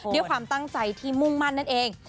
ด้วยความตั้งใจที่มุ่งมั่นนั่นเอง